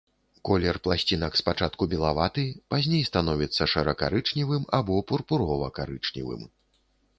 Колер пласцінак спачатку белаваты, пазней становіцца шэра-карычневым або пурпурова-карычневым.